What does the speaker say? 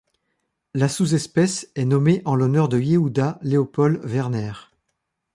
La sous-espèce est nommée en l'honneur de Yehudah Leopold Werner.